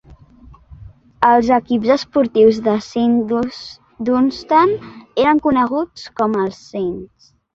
Els equips esportius de Saint Dunstan eren coneguts com els Saints.